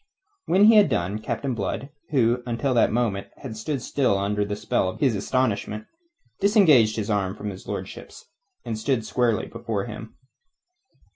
When he had done, Captain Blood, who until that moment had stood still under the spell of his astonishment, disengaged his arm from his lordship's, and stood squarely before him.